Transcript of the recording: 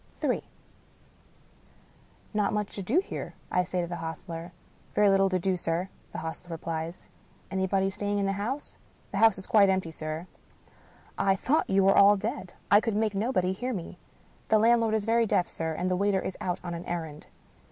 Ill " Not much to do here," I say to the hostler. " Very little to do, sir," the hostler replies. " Anybody staying in the house ?"" The house is quite empty, sir." " I thought you were all dead, I could make nobody hear me." " The landlord is very deaf, sir, and the waiter is out on an errand."